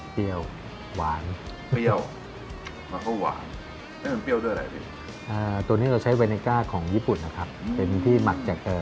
พี่อ่าตัวนี้เราใช้เวเนก้าของญี่ปุ่นนะครับเป็นมีที่หมัดจากเอ่อ